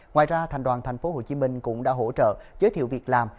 ngoài ra thành đoàn thành phố hồ chí minh cũng đã hỗ trợ giới thiệu việc làm